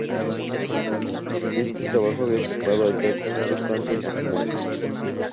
Este trabajo había ocupado a Jackson justo antes de su muerte.